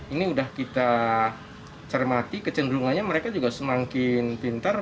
ini sudah kita cermati kecenderungannya mereka juga semakin pintar